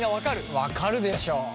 分かるでしょ！